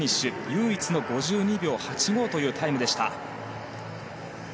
唯一の５２秒８５というタイムでした。